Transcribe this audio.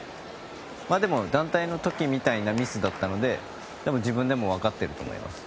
でも、団体の時みたいなミスだったので自分でも分かっていると思います。